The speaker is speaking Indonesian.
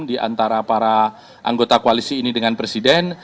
diantara para anggota koalisi ini dengan presiden